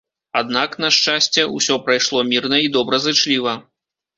Аднак, на шчасце, усё прайшло мірна і добразычліва.